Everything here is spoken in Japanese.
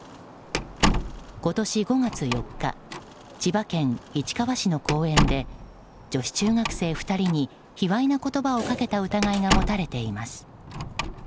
今年５月４日千葉県市川市の公園で女子中学生２人に卑猥な言葉をかけた疑いが持たれています。